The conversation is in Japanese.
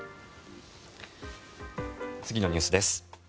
次のニュースです。